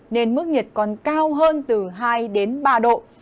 nên mức nhiệt còn cao hơn từ hai đến ba độ